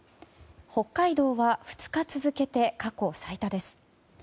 北海道は２日続けて過去最多です。